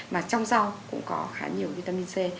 mà trong rau cũng có khá nhiều vitamin c